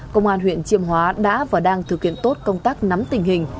công an huyện chiêm hóa đã và đang thực hiện tốt công tác nắm tình hình